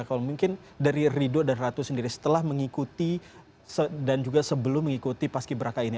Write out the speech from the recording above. kalau mungkin dari rido dan ratu sendiri setelah mengikuti dan juga sebelum mengikuti paski beraka ini